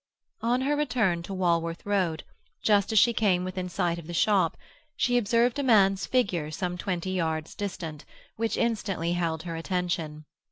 On her return to Walworth Road, just as she came within sight of the shop, she observed a man's figure some twenty yards distant, which instantly held her attention.